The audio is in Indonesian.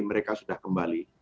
mereka sudah kembali